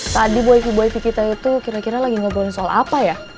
tadi boy di kita itu kira kira lagi ngobrolin soal apa ya